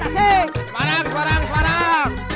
semarang semarang semarang